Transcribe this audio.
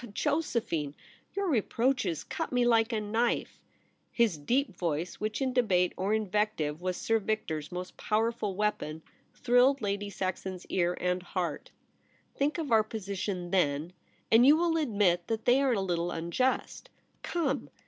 * Ah, Josephine, your reproaches cut me like a knife.' His deep voice, which in debate or invective was Sir Victor's most powerful weapon, thrilled Lady Saxon's ear and heart. * Think of our position f/ien, and you will admit that they are a little unjust. Come.